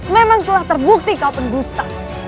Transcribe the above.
memang telah terbukti kau pendusta